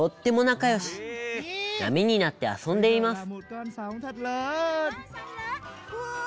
なみになってあそんでいます。